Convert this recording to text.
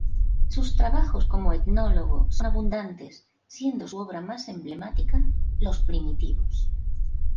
Sus trabajos como etnólogo son abundantes, siendo su obra más emblemática: "Los primitivos".